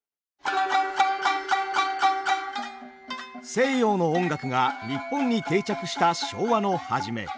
西洋の音楽が日本に定着した昭和の初め